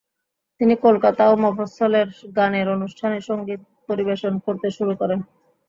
তিনি কলকাতা ও মফস্বলের গানের অনুষ্ঠানে সঙ্গীত পরিবেশন করতে শুরু করেন।